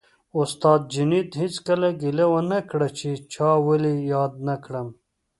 استاد جنید هېڅکله ګیله ونه کړه چې چا ولې یاد نه کړم